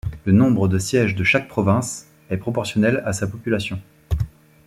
Le nombre de sièges de chaque province est proportionnel à sa population.